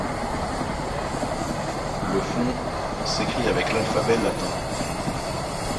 Le fon s’écrit avec l’alphabet latin.